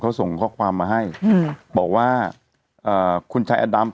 เขาส่งข้อความมาให้บอกว่าคุณชายแอดำ